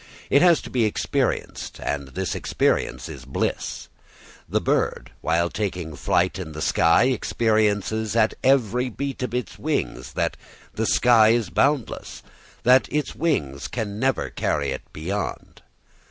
It has to be experienced, and this experience is bliss. The bird, while taking its flight in the sky, experiences at every beat of its wings that the sky is boundless, that its wings can never carry it beyond.